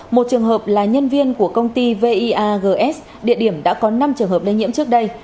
một trường hợp là nhân viên của công ty viags địa điểm đã có năm trường hợp lây nhiễm trước đây